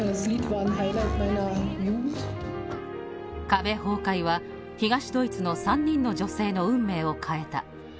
壁崩壊は東ドイツの３人の女性の運命を変えた。